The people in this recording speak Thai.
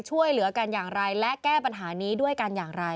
ช่วยเหลือกันอย่างไรและแก้ปัญหานี้ด้วยกันอย่างไร